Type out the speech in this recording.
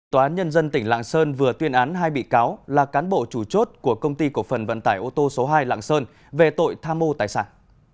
tòa án nhân dân tỉnh lạng sơn vừa tuyên án hai bị cáo là cán bộ chủ chốt của công ty cổ phần vận tải ô tô số hai lạng sơn về tội tham mô tài sản